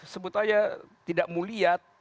sebut aja tidak muliat